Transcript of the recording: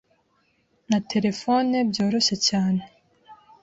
na telephone byoroshye cyane